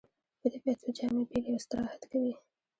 په دې پیسو جامې پېري او استراحت کوي